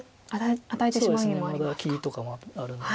そうですねまだ切りとかもあるので。